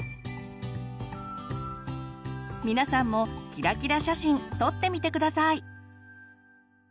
皆さんもキラキラ写真撮ってみて下さい！